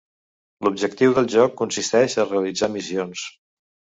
L'objectiu del joc consisteix a realitzar missions.